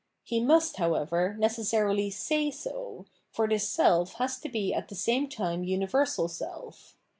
He must, however, necessarily say so, for this self has to be at the same time universal self.